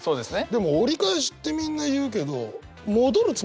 でも「折り返し」ってみんな言うけどいつも思ってて。